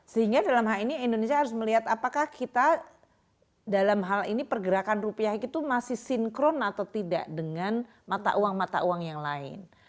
sehingga dalam hal ini indonesia harus melihat apakah kita dalam hal ini pergerakan rupiah itu masih sinkron atau tidak dengan mata uang mata uang yang lain